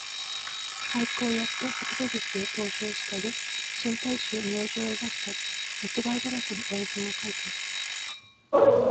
俳句をやってほととぎすへ投書をしたり、新体詩を明星へ出したり、間違いだらけの英文をかいたり、